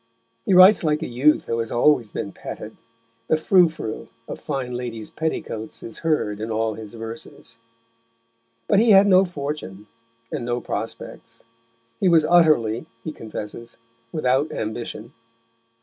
He writes like a youth who has always been petted; the frou frou of fine ladies' petticoats is heard in all his verses. But he had no fortune and no prospects; he was utterly, he confesses, without ambition.